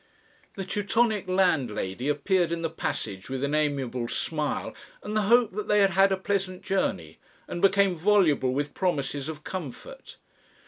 The Teutonic landlady appeared in the passage with an amiable smile and the hope that they had had a pleasant journey, and became voluble with promises of comfort.